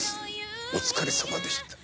お疲れさまでした。